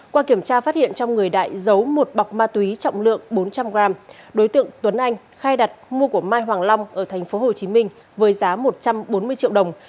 qua kiểm tra phát hiện trong người đại giấu một bọc ma túy trọng lượng bốn trăm linh g đối tượng tuấn anh khai đặt mua của mai hoàng long ở tp hcm với giá một trăm bốn mươi triệu đồng